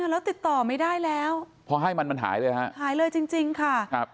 ว่าจิตต่อไม่ได้แล้วพอให้มันหายเลยค่ะ